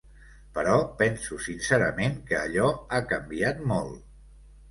Però penso sincerament que allò ha canviat, molt.